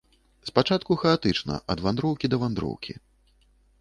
Спачатку хаатычна, ад вандроўкі да вандроўкі.